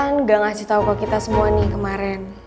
kan gak ngasih tau ke kita semua nih kemarin